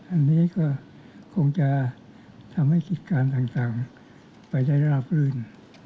อันนี้ก็คงจะทำให้กิจการต่างไปได้ราบรื่น